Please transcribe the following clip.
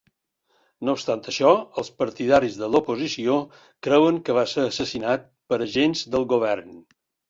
No obstant això, els partidaris de l'oposició creuen que va ser assassinat per agents del govern.